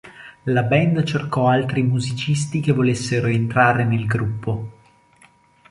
La band cercò altri musicisti che volessero entrare nel gruppo.